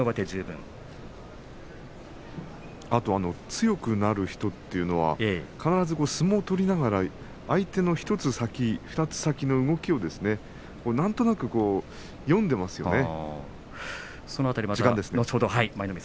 強くなる人は相撲を取りながら必ず相手の１つ先２つ先の動きをなんとなく読んでいますよね。